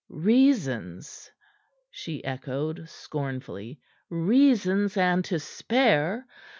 "Reasons?" she echoed scornfully. "Reasons and to spare!